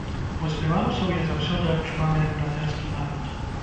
Вось беларусаў я заўсёды адчуваў як братэрскі народ.